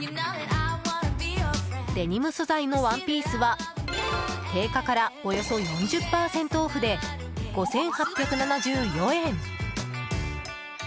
デニム素材のワンピースは定価からおよそ４０％オフで５８７４円。